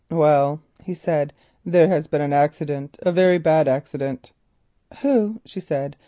"Well," he said, "there has been an accident—a very bad accident." "Who?" she said.